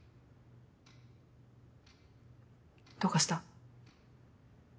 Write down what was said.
どうかした？